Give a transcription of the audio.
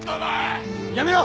やめろ！